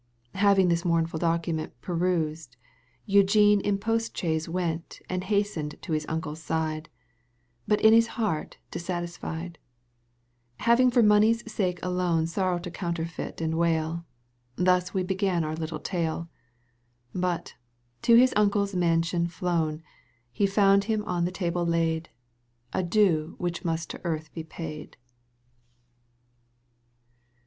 Having this mournful document Perused, Eugene in postchaise went And hastened to his uncle's side. But in his heart dissatisfied, Having for money's sake alone Sorrow to counterfeit and wail — Thus we began our little tale — But, to his uncle's mansion flown, Digitized by CjOOQ 1С "^ CANTO L EUGENE ONJEGUINR 29 He fotmd him on the tahle laid, A due which must to earth be paid.